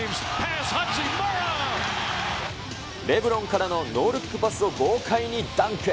レブロンからのノールックパスを豪快にダンク。